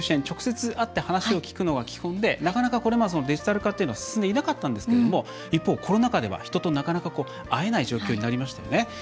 直接、会って話を聞くのが基本でなかなか、これまでそのデジタル化というのは進んでいなかったんですけれども一方、コロナ禍では人となかなか会えない状況になりましたよね。